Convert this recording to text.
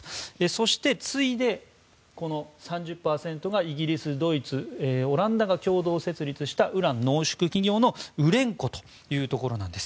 そして、次いで３０％がイギリス、ドイツ、オランダが共同設立したウラン濃縮企業のウレンコというところです。